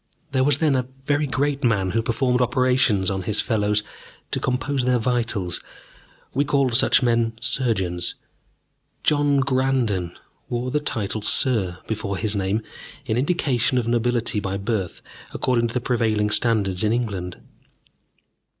There was then a very great man who performed operations on his fellows to compose their vitals we called such men surgeons. John Granden wore the title "Sir" before his name, in indication of nobility by birth according to the prevailing standards in England.